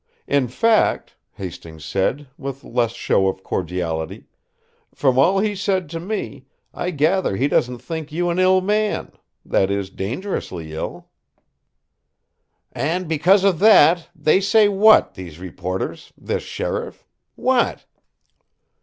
In fact," Hastings said, with less show of cordiality, "from all he said to me, I gather he doesn't think you an ill man that is, dangerously ill." "And because of that, they say what, these reporters, this sheriff? What?"